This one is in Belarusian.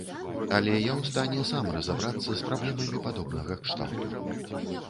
Але я ў стане сам разабрацца з праблемамі падобнага кшталту.